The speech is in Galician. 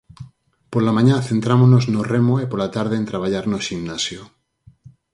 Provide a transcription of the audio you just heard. Pola mañá centrámonos no remo e pola tarde en traballar no ximnasio.